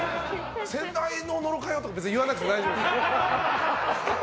先代の野呂佳代とか別に言わなくても大丈夫。